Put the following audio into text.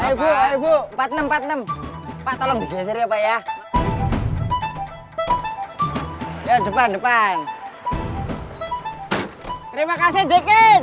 ibu ibu empat puluh enam empat puluh enam pak tolong digeser ya pak ya depan depan terima kasih dikit